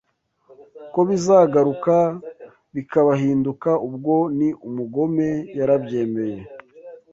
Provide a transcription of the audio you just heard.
Ko bizagaruka bikabahinduka ubwo ni umugome yarabyemeye